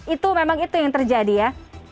itu memang itu yang terjadi ya